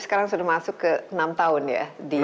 sekarang sudah masuk ke enam tahun ya